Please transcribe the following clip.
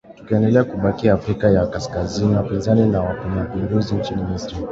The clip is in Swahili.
tukiendelea kubakia afrika ya kaskazini wapinzani na wanamapinduzi nchini misri